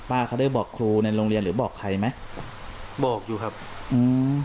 เขาได้บอกครูในโรงเรียนหรือบอกใครไหมบอกอยู่ครับอืม